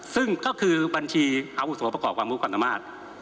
ซึ่งก็คือบัญชีอาวุโสประกอบความรู้ความสามารถ